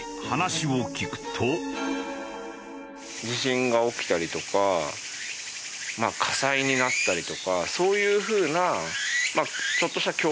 地震が起きたりとか火災になったりとかそういう風なちょっとした恐怖感。